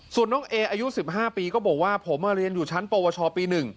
ส่วนน้องเออายุ๑๕ปีก็บอกว่าผมเรียนอยู่ชั้นปวชปี๑